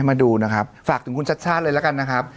มาดูนะครับฝากถึงคุณชัดชาติเลยแล้วกันนะครับ